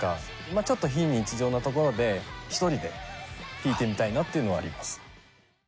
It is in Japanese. まあちょっと非日常な所で一人で弾いてみたいなっていうのはあります。